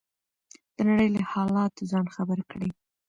د نړۍ له حالاتو ځان خبر کړئ.